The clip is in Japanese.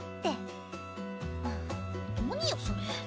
何よそれ。